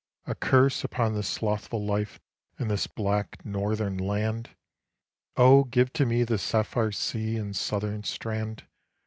A curse upon this slothful life and this black northern land! Oh, give to me the sapphire sea and southern strand!